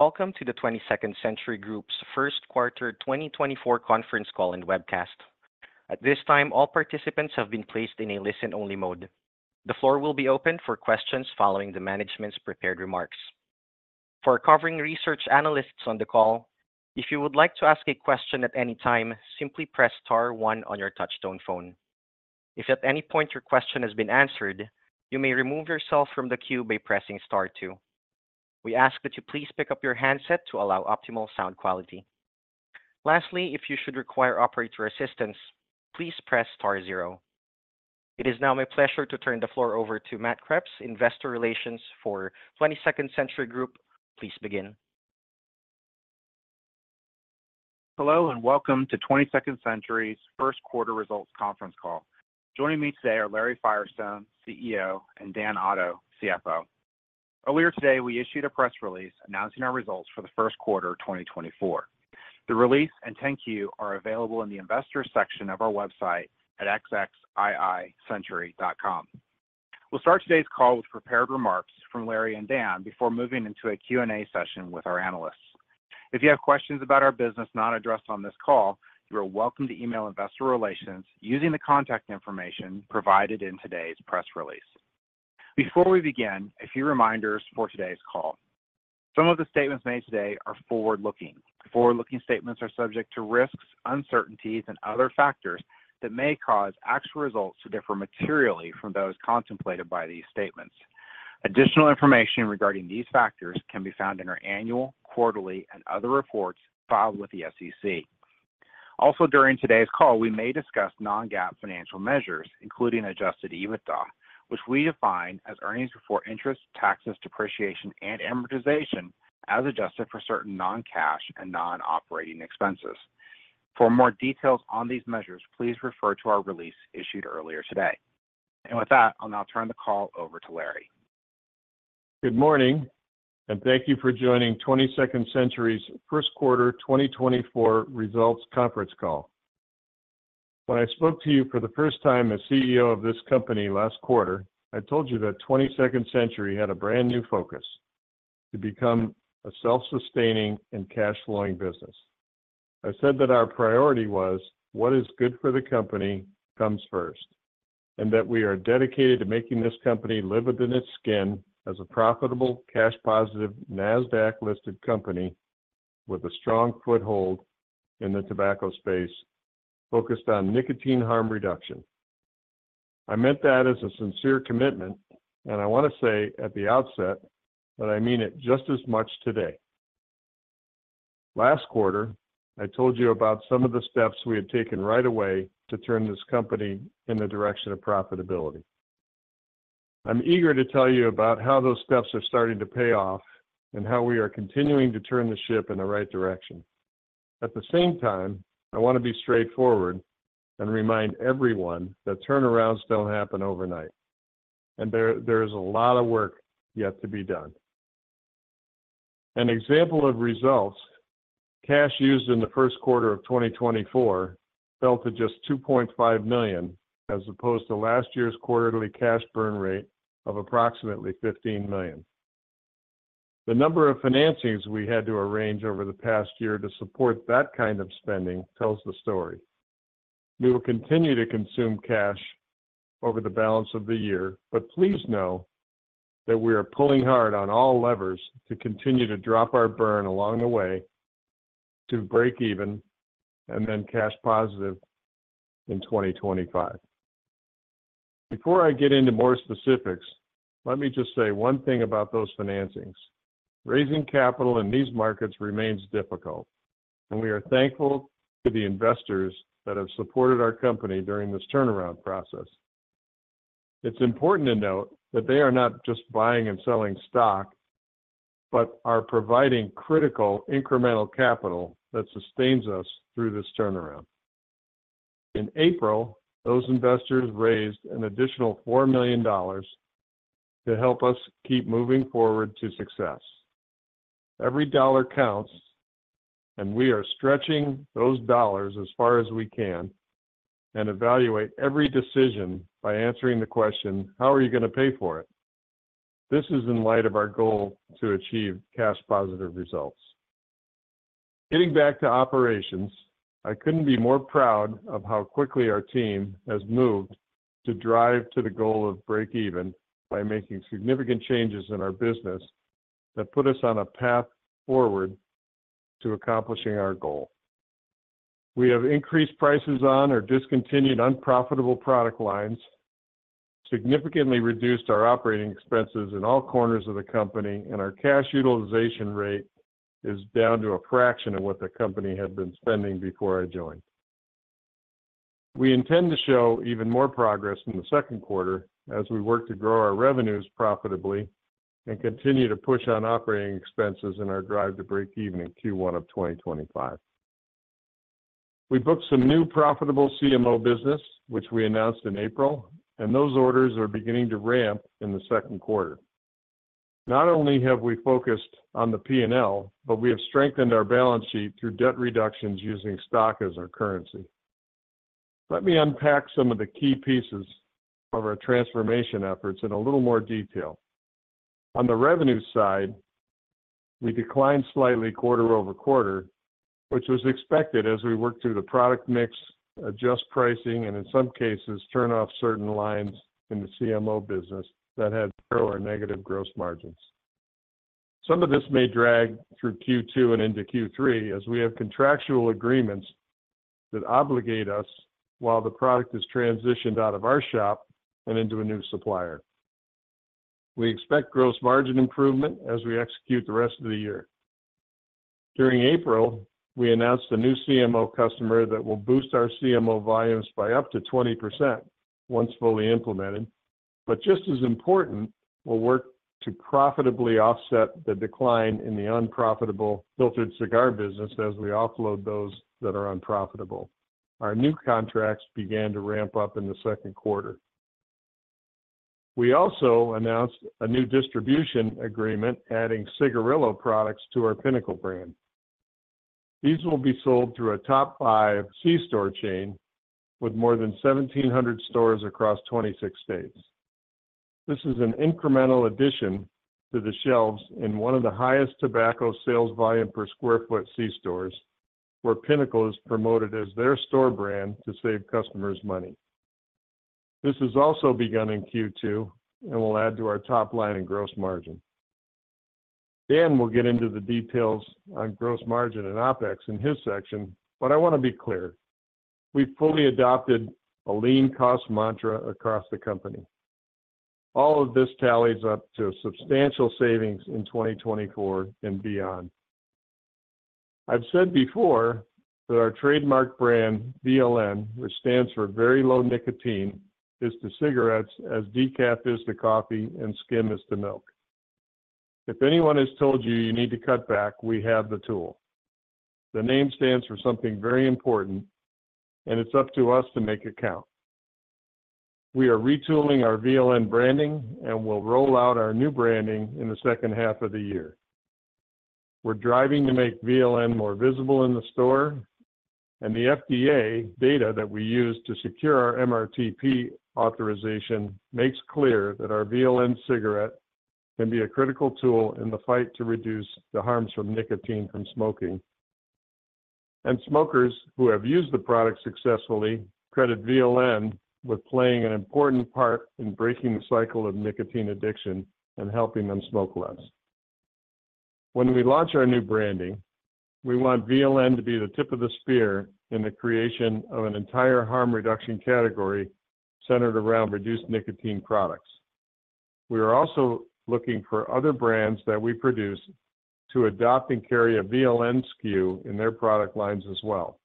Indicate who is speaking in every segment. Speaker 1: Welcome to the 22nd Century Group's first quarter 2024 conference call and webcast. At this time, all participants have been placed in a listen-only mode. The floor will be open for questions following the management's prepared remarks. For covering research analysts on the call, if you would like to ask a question at any time, simply press star one on your touchtone phone. If at any point your question has been answered, you may remove yourself from the queue by pressing star two. We ask that you please pick up your handset to allow optimal sound quality. Lastly, if you should require operator assistance, please press star zero. It is now my pleasure to turn the floor over to Matt Kreps, Investor Relations for 22nd Century Group. Please begin.
Speaker 2: Hello, and welcome to 22nd Century Group's first quarter results conference call. Joining me today are Larry Firestone, CEO, and Dan Otto, CFO. Earlier today, we issued a press release announcing our results for the first quarter of 2024. The release and the deck are available in the investor section of our website at xxiicentury.com. We'll start today's call with prepared remarks from Larry and Dan before moving into a Q&A session with our analysts. If you have questions about our business not addressed on this call, you are welcome to email investor relations using the contact information provided in today's press release. Before we begin, a few reminders for today's call. Some of the statements made today are forward-looking. Forward-looking statements are subject to risks, uncertainties, and other factors that may cause actual results to differ materially from those contemplated by these statements. Additional information regarding these factors can be found in our annual, quarterly, and other reports filed with the SEC. Also, during today's call, we may discuss non-GAAP financial measures, including Adjusted EBITDA, which we define as earnings before interest, taxes, depreciation, and amortization, as adjusted for certain non-cash and non-operating expenses. For more details on these measures, please refer to our release issued earlier today. With that, I'll now turn the call over to Larry.
Speaker 3: Good morning, and thank you for joining 22nd Century's first quarter 2024 results conference call. When I spoke to you for the first time as CEO of this company last quarter, I told you that 22nd Century had a brand-new focus: to become a self-sustaining and cash-flowing business. I said that our priority was what is good for the company comes first, and that we are dedicated to making this company live within its skin as a profitable, cash-positive, Nasdaq-listed company with a strong foothold in the tobacco space, focused on nicotine harm reduction. I meant that as a sincere commitment, and I want to say at the outset that I mean it just as much today. Last quarter, I told you about some of the steps we had taken right away to turn this company in the direction of profitability. I'm eager to tell you about how those steps are starting to pay off and how we are continuing to turn the ship in the right direction. At the same time, I want to be straightforward and remind everyone that turnarounds don't happen overnight, and there is a lot of work yet to be done. An example of results, cash used in the first quarter of 2024 fell to just $2.5 million, as opposed to last year's quarterly cash burn rate of approximately $15 million. The number of financings we had to arrange over the past year to support that kind of spending tells the story. We will continue to consume cash over the balance of the year, but please know that we are pulling hard on all levers to continue to drop our burn along the way to break even, and then cash positive in 2025. Before I get into more specifics, let me just say one thing about those financings. Raising capital in these markets remains difficult, and we are thankful to the investors that have supported our company during this turnaround process. It's important to note that they are not just buying and selling stock, but are providing critical incremental capital that sustains us through this turnaround. In April, those investors raised an additional $4 million to help us keep moving forward to success. Every dollar counts, and we are stretching those dollars as far as we can and evaluate every decision by answering the question: How are you gonna pay for it? This is in light of our goal to achieve cash-positive results. Getting back to operations, I couldn't be more proud of how quickly our team has moved to drive to the goal of break even by making significant changes in our business that put us on a path forward to accomplishing our goal. We have increased prices on or discontinued unprofitable product lines, significantly reduced our operating expenses in all corners of the company, and our cash utilization rate is down to a fraction of what the company had been spending before I joined. We intend to show even more progress in the second quarter as we work to grow our revenues profitably and continue to push on operating expenses in our drive to break even in Q1 of 2025. We booked some new profitable CMO business, which we announced in April, and those orders are beginning to ramp in the second quarter. Not only have we focused on the P&L, but we have strengthened our balance sheet through debt reductions using stock as our currency. Let me unpack some of the key pieces of our transformation efforts in a little more detail. On the revenue side, we declined slightly quarter-over-quarter, which was expected as we worked through the product mix, adjust pricing, and in some cases, turn off certain lines in the CMO business that had zero or negative gross margins. Some of this may drag through Q2 and into Q3 as we have contractual agreements that obligate us while the product is transitioned out of our shop and into a new supplier. We expect gross margin improvement as we execute the rest of the year. During April, we announced a new CMO customer that will boost our CMO volumes by up to 20% once fully implemented. But just as important, we'll work to profitably offset the decline in the unprofitable filtered cigar business as we offload those that are unprofitable. Our new contracts began to ramp up in the second quarter. We also announced a new distribution agreement, adding cigarillo products to our Pinnacle brand. These will be sold through a top five C-store chain with more than 1,700 stores across 26 states. This is an incremental addition to the shelves in one of the highest tobacco sales volume per square foot C-stores, where Pinnacle is promoted as their store brand to save customers money. This has also begun in Q2 and will add to our top line and gross margin. Dan will get into the details on gross margin and OpEx in his section, but I want to be clear, we've fully adopted a lean cost mantra across the company. All of this tallies up to substantial savings in 2024 and beyond. I've said before that our trademark brand, VLN, which stands for Very Low Nicotine, is to cigarettes as decaf is to coffee and skim is to milk. If anyone has told you, you need to cut back, we have the tool. The name stands for something very important, and it's up to us to make it count. We are retooling our VLN branding, and we'll roll out our new branding in the second half of the year. We're driving to make VLN more visible in the store, and the FDA data that we use to secure our MRTP authorization makes clear that our VLN cigarette can be a critical tool in the fight to reduce the harms from nicotine from smoking. Smokers who have used the product successfully credit VLN with playing an important part in breaking the cycle of nicotine addiction and helping them smoke less. When we launch our new branding, we want VLN to be the tip of the spear in the creation of an entire harm reduction category centered around reduced nicotine products. We are also looking for other brands that we produce to adopt and carry a VLN SKU in their product lines as well.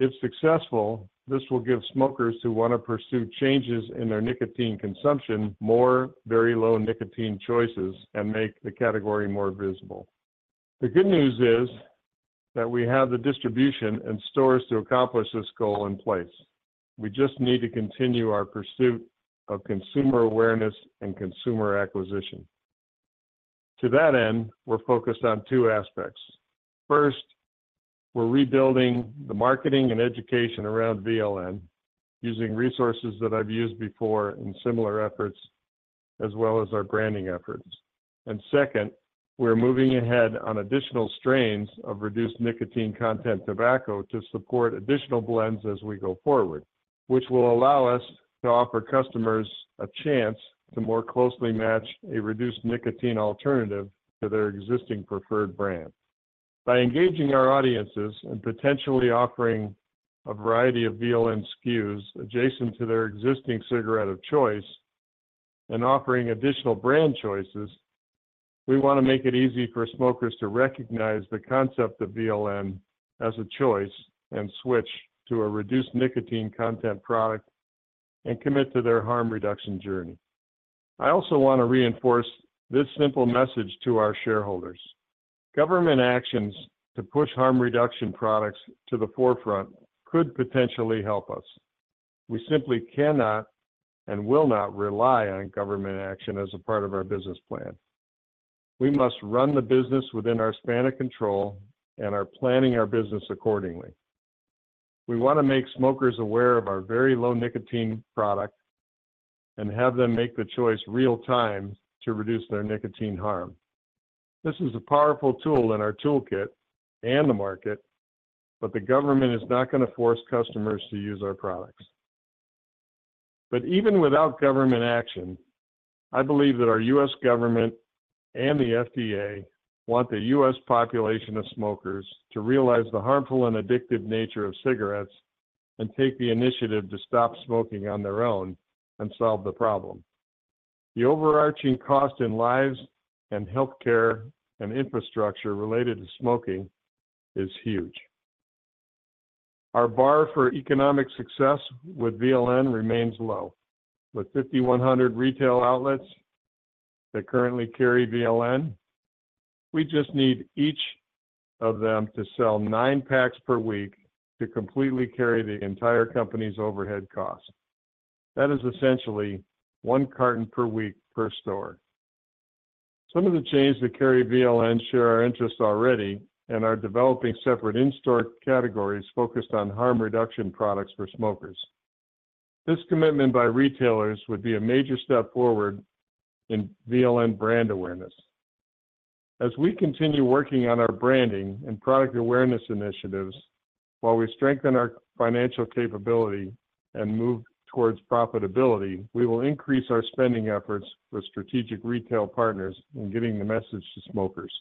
Speaker 3: If successful, this will give smokers who want to pursue changes in their nicotine consumption more very low nicotine choices and make the category more visible. The good news is that we have the distribution and stores to accomplish this goal in place. We just need to continue our pursuit of consumer awareness and consumer acquisition. To that end, we're focused on two aspects. First, we're rebuilding the marketing and education around VLN, using resources that I've used before in similar efforts, as well as our branding efforts. And second, we're moving ahead on additional strains of reduced nicotine content tobacco to support additional blends as we go forward, which will allow us to offer customers a chance to more closely match a reduced nicotine alternative to their existing preferred brand. By engaging our audiences and potentially offering a variety of VLN SKUs adjacent to their existing cigarette of choice and offering additional brand choices, we want to make it easy for smokers to recognize the concept of VLN as a choice and switch to a reduced nicotine content product and commit to their harm reduction journey. I also want to reinforce this simple message to our shareholders: Government actions to push harm reduction products to the forefront could potentially help us. We simply cannot and will not rely on government action as a part of our business plan. We must run the business within our span of control and are planning our business accordingly. We want to make smokers aware of our very low nicotine product and have them make the choice real-time to reduce their nicotine harm. This is a powerful tool in our toolkit and the market, but the government is not going to force customers to use our products. But even without government action, I believe that our U.S. government and the FDA want the U.S. population of smokers to realize the harmful and addictive nature of cigarettes and take the initiative to stop smoking on their own and solve the problem. The overarching cost in lives and healthcare and infrastructure related to smoking is huge. Our bar for economic success with VLN remains low. With 5,100 retail outlets that currently carry VLN, we just need each of them to sell nine packs per week to completely carry the entire company's overhead cost. That is essentially one carton per week per store. Some of the chains that carry VLN share our interest already and are developing separate in-store categories focused on harm reduction products for smokers. This commitment by retailers would be a major step forward in VLN brand awareness. As we continue working on our branding and product awareness initiatives, while we strengthen our financial capability and move towards profitability, we will increase our spending efforts with strategic retail partners in getting the message to smokers.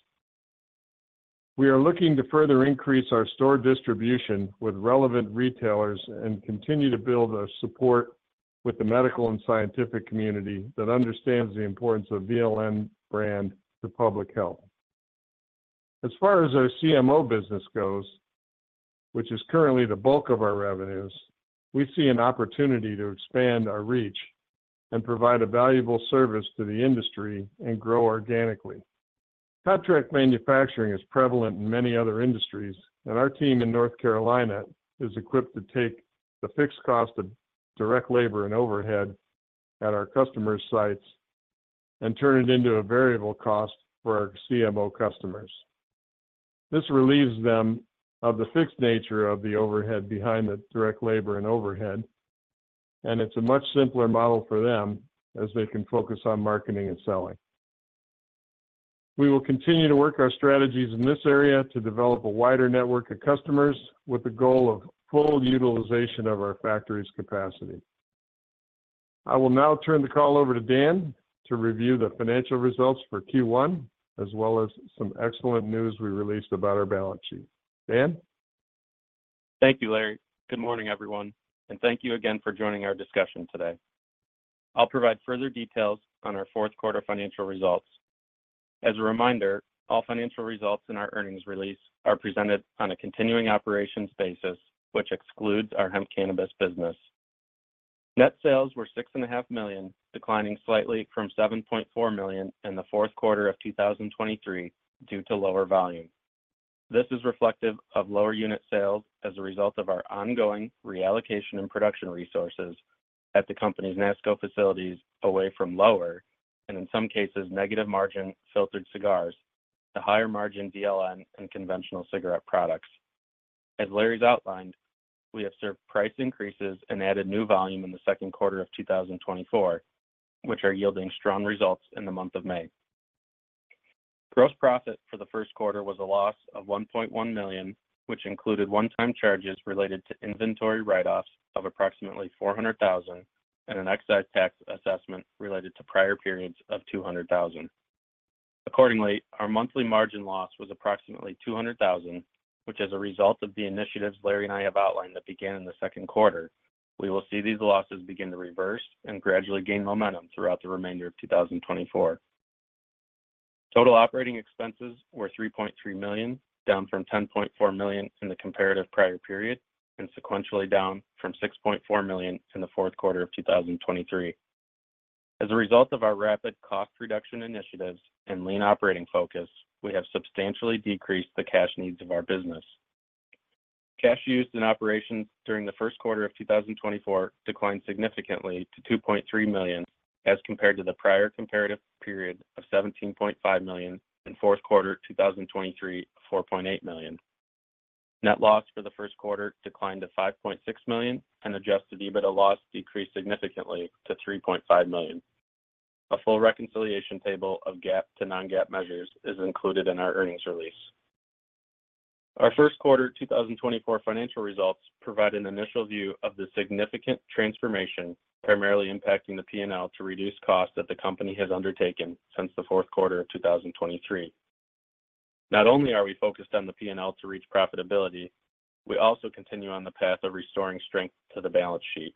Speaker 3: We are looking to further increase our store distribution with relevant retailers and continue to build our support with the medical and scientific community that understands the importance of VLN brand to public health. As far as our CMO business goes, which is currently the bulk of our revenues, we see an opportunity to expand our reach and provide a valuable service to the industry and grow organically. Contract manufacturing is prevalent in many other industries, and our team in North Carolina is equipped to take the fixed cost of direct labor and overhead at our customers' sites and turn it into a variable cost for our CMO customers. This relieves them of the fixed nature of the overhead behind the direct labor and overhead, and it's a much simpler model for them as they can focus on marketing and selling. We will continue to work our strategies in this area to develop a wider network of customers with the goal of full utilization of our factory's capacity. I will now turn the call over to Dan to review the financial results for Q1, as well as some excellent news we released about our balance sheet. Dan?
Speaker 4: Thank you, Larry. Good morning, everyone, and thank you again for joining our discussion today. I'll provide further details on our fourth quarter financial results. As a reminder, all financial results in our earnings release are presented on a continuing operations basis, which excludes our hemp cannabis business. Net sales were $6.5 million, declining slightly from $7.4 million in the fourth quarter of 2023 due to lower volume. This is reflective of lower unit sales as a result of our ongoing reallocation and production resources at the company's Nasco facilities away from lower, and in some cases, negative margin filtered cigars to higher margin VLN and conventional cigarette products. As Larry's outlined, we have secured price increases and added new volume in the second quarter of 2024, which are yielding strong results in the month of May. Gross profit for the first quarter was a loss of $1.1 million, which included one-time charges related to inventory write-offs of approximately $400,000, and an excise tax assessment related to prior periods of $200,000. Accordingly, our monthly margin loss was approximately $200,000, which as a result of the initiatives Larry and I have outlined that began in the second quarter, we will see these losses begin to reverse and gradually gain momentum throughout the remainder of 2024. Total operating expenses were $3.3 million, down from $10.4 million in the comparative prior period, and sequentially down from $6.4 million in the fourth quarter of 2023. As a result of our rapid cost reduction initiatives and lean operating focus, we have substantially decreased the cash needs of our business. Cash used in operations during the first quarter of 2024 declined significantly to $2.3 million, as compared to the prior comparative period of $17.5 million in fourth quarter 2023, $4.8 million. Net loss for the first quarter declined to $5.6 million, and Adjusted EBITDA loss decreased significantly to $3.5 million. A full reconciliation table of GAAP to non-GAAP measures is included in our earnings release. Our first quarter 2024 financial results provide an initial view of the significant transformation, primarily impacting the P&L to reduce costs that the company has undertaken since the fourth quarter of 2023. Not only are we focused on the P&L to reach profitability, we also continue on the path of restoring strength to the balance sheet.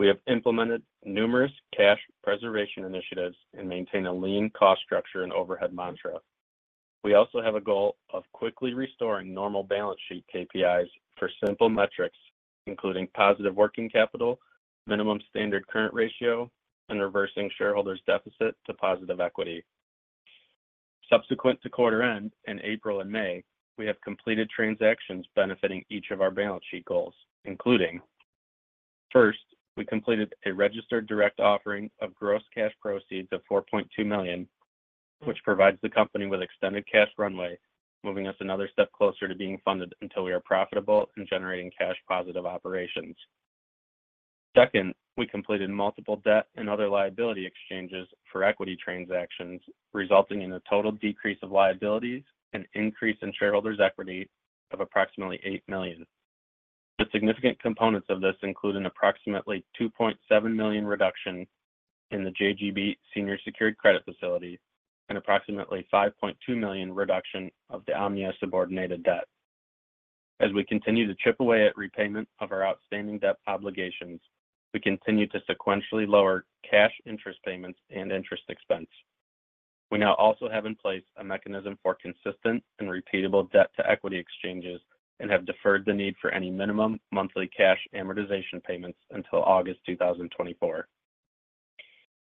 Speaker 4: We have implemented numerous cash preservation initiatives and maintain a lean cost structure and overhead mantra. We also have a goal of quickly restoring normal balance sheet KPIs for simple metrics, including positive working capital, minimum standard current ratio, and reversing shareholders' deficit to positive equity. Subsequent to quarter end, in April and May, we have completed transactions benefiting each of our balance sheet goals, including: First, we completed a registered direct offering of gross cash proceeds of $4.2 million, which provides the company with extended cash runway, moving us another step closer to being funded until we are profitable and generating cash positive operations. Second, we completed multiple debt and other liability exchanges for equity transactions, resulting in a total decrease of liabilities and increase in shareholders' equity of approximately $8 million. The significant components of this include an approximately $2.7 million reduction in the JGB senior secured credit facility and approximately $5.2 million reduction of the Omnia subordinated debt. As we continue to chip away at repayment of our outstanding debt obligations, we continue to sequentially lower cash interest payments and interest expense. We now also have in place a mechanism for consistent and repeatable debt to equity exchanges and have deferred the need for any minimum monthly cash amortization payments until August 2024.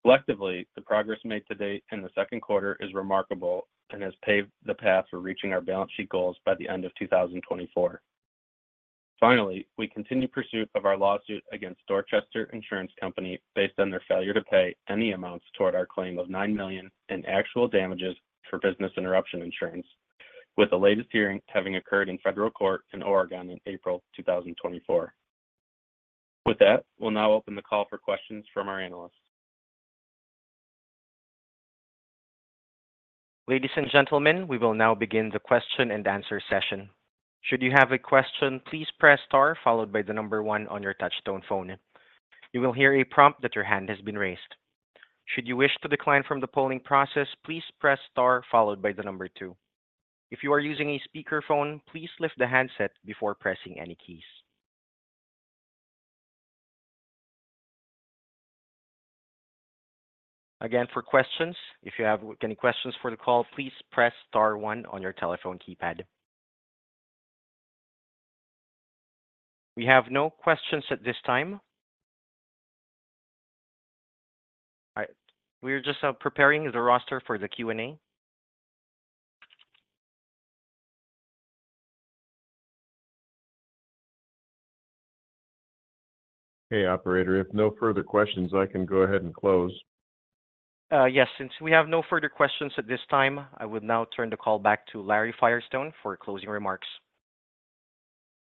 Speaker 4: Collectively, the progress made to date in the second quarter is remarkable and has paved the path for reaching our balance sheet goals by the end of 2024. Finally, we continue pursuit of our lawsuit against Dorchester Insurance Company based on their failure to pay any amounts toward our claim of $9 million in actual damages for business interruption insurance, with the latest hearing having occurred in federal court in Oregon in April 2024. With that, we'll now open the call for questions from our analysts.
Speaker 1: Ladies and gentlemen, we will now begin the question and answer session. Should you have a question, please press star followed by the number one on your touchtone phone. You will hear a prompt that your hand has been raised. Should you wish to decline from the polling process, please press star followed by the number two. If you are using a speakerphone, please lift the handset before pressing any keys. Again, for questions, if you have any questions for the call, please press star one on your telephone keypad. We have no questions at this time. All right, we are just preparing the roster for the Q&A.
Speaker 3: Hey, operator, if no further questions, I can go ahead and close.
Speaker 1: Yes, since we have no further questions at this time, I would now turn the call back to Larry Firestone for closing remarks.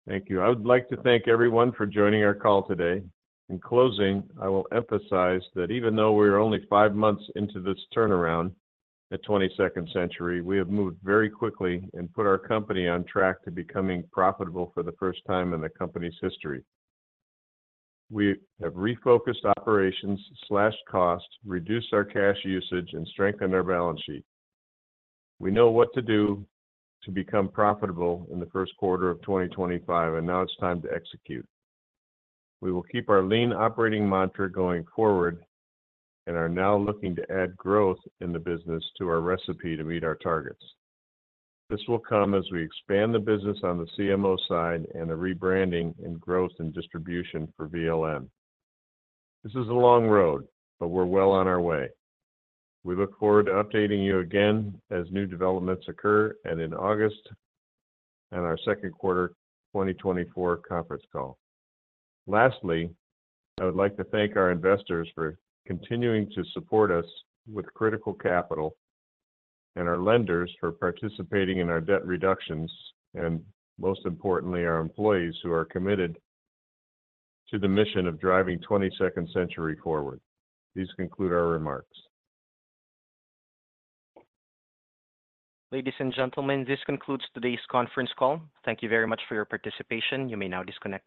Speaker 3: Thank you. I would like to thank everyone for joining our call today. In closing, I will emphasize that even though we are only five months into this turnaround at 22nd Century Group, we have moved very quickly and put our company on track to becoming profitable for the first time in the company's history. We have refocused operations, slashed costs, reduced our cash usage, and strengthened our balance sheet. We know what to do to become profitable in the first quarter of 2025, and now it's time to execute. We will keep our lean operating mantra going forward and are now looking to add growth in the business to our recipe to meet our targets. This will come as we expand the business on the CMO side and the rebranding and growth in distribution for VLN. This is a long road, but we're well on our way. We look forward to updating you again as new developments occur, and in August, on our second quarter 2024 conference call. Lastly, I would like to thank our investors for continuing to support us with critical capital and our lenders for participating in our debt reductions, and most importantly, our employees, who are committed to the mission of driving 22nd Century forward. These conclude our remarks.
Speaker 1: Ladies and gentlemen, this concludes today's conference call. Thank you very much for your participation. You may now disconnect.